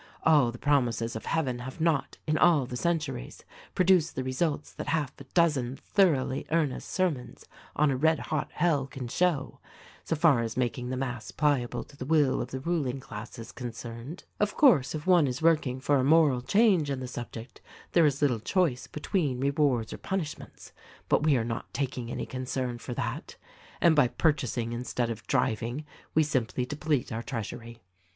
All the promises of heaven have not, in all the centuries, produced the results that half a dozen thoroughly earnest sermons on a red hot hell can show — so far as making the mass pliable to the will of the riding class is concerned. Of course, if one is working for a moral change in the subject, there is little choice between rewards or punishments ; but we are not taking any concern for that — and fey purchasing instead of driving we simplv deplete our treasury.